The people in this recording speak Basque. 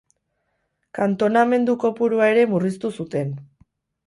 Kantonamendu kopurua ere murriztu zuten.